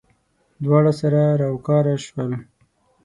دواړه سره راوکاره شول.